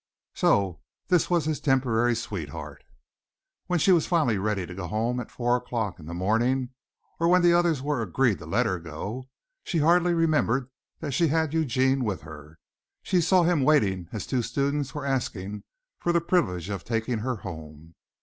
So this was his temporary sweetheart. When she was finally ready to go home at four o'clock in the morning, or when the others were agreed to let her go, she hardly remembered that she had Eugene with her. She saw him waiting as two students were asking for the privilege of taking her home.